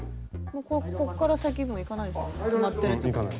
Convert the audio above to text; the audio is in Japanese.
もうこっから先に行かないですよね留まってるってことは。